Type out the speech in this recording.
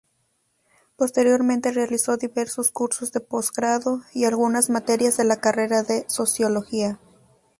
Posteriormente realizó diversos cursos de posgrado y algunas materias de la carrera de Sociología.